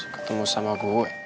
ketemu sama gue